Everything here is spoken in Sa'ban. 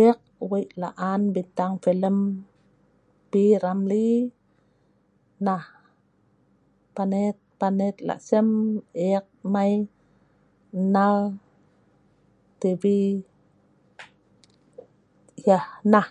Eek wei laan bintang pilem P. Ramlee nah panet panet lasem eek mai nal tv yah nah